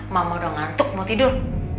mama udah ngantuk mau tidur